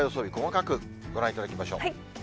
日、細かくご覧いただきましょう。